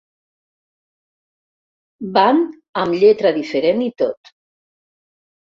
Van amb lletra diferent i tot.